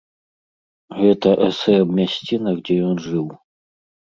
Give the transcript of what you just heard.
Гэта эсэ аб мясцінах, дзе ён жыў.